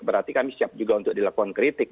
berarti kami siap juga untuk dilakukan kritik